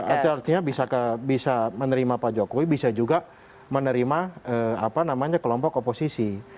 artinya bisa menerima pak jokowi bisa juga menerima kelompok oposisi